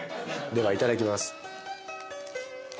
ではいただきます。